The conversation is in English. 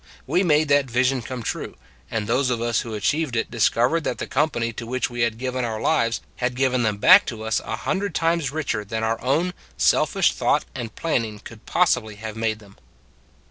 We made that vision come true; and those of us who achieved it discovered that the company to which we had given our lives, had given them back to us a hundred times richer than our own selfish thought and planning could possibly have made them."